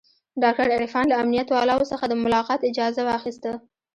ډاکتر عرفان له امنيت والاو څخه د ملاقات اجازه واخيسته.